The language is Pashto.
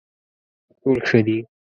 ټول ښه دي.